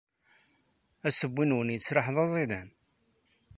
Assewwi-nwen yettraḥ d aẓidan.